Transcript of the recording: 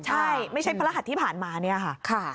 ใช่ไม่ใช่พระรหัสที่ผ่านมาเนี่ยค่ะ